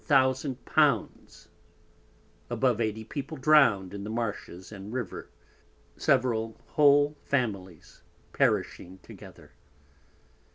_ Above 80 People drown'd in the Marshes and River, Several whole Families perishing together.